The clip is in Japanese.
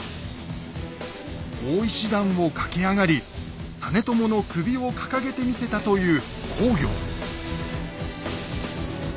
大石段を駆け上がり実朝の首を掲げてみせたという公暁。